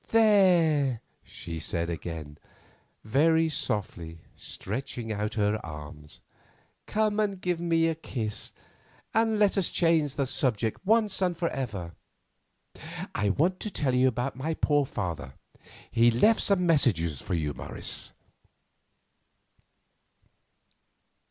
"There," she said again, very softly, stretching out her arms, "come and give me a kiss, and let us change the subject once and for ever. I want to tell you about my poor father; he left some messages for you, Morris."